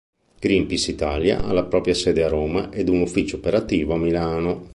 Greenpeace Italia ha la propria sede a Roma e un ufficio operativo a Milano.